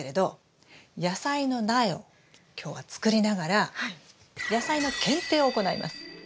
野菜の苗を今日は作りながらやさいの検定を行います。